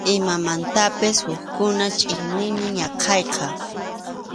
Imamantapas hukkuna chiqniymi ñakayqa.